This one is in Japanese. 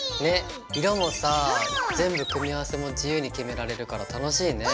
色もさ全部組み合わせも自由に決められるから楽しいね。